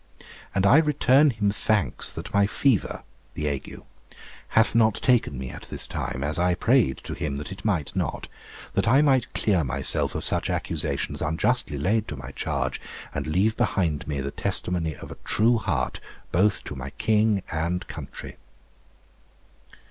And I return Him thanks, that my fever [the ague] hath not taken me at this time, as I prayed to Him that it might not, that I might clear myself of such accusations unjustly laid to my charge, and leave behind me the testimony of a true heart both to my king and country.